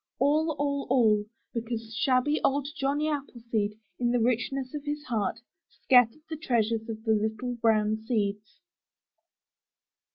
All, all, all because shabby old Johnny Appleseed, in the richness of his heart, scattered the treasures of the little brown seeds!